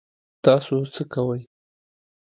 تاسو څه کوئ؟